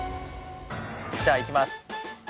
じゃあいきます。